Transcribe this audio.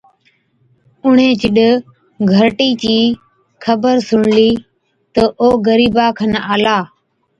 اُڻهين جِڏ گھَرٽِي چِي خبر سُڻلِي، تِہ او غرِيبا کن آلا،